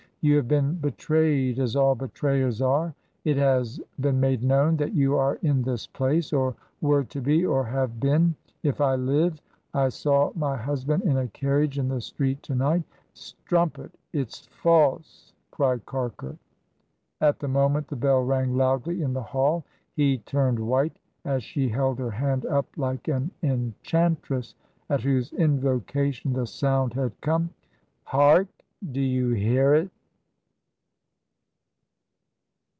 ' You have been betrayed, as all betrayers are. It has been made known that you are in this place, or were to be, or have been. If I live, I saw my husband in a carriage in the street to night!' 'Strumpet, it's false!' cried Carker. At the moment, the bell rang loudly in the hall. He turned white, as she held her hand up like an enchantress, at whose invocation the soimd had come. 'Hark! do you hear it?'